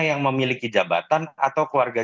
yang memiliki jabatan atau keluarga